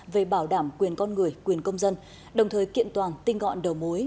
về bảo đảm quyền con người quyền công dân đồng thời kiện toàn tinh gọn đầu mối